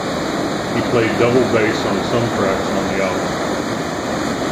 He played double bass on some tracks on the album.